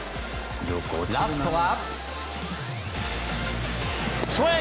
ラストは。